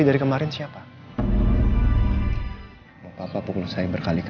dan ternyata kamu sama sama kayak dia